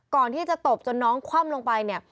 ก่อนที่จะตบจนน้องคว่ำลงไปเนี่ย